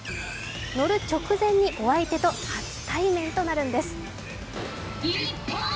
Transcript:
乗る直前に、お相手と初対面となるんです。